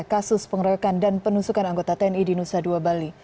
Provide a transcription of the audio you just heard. kasus pengeroyokan dan penusukan anggota tni di nusa dua bali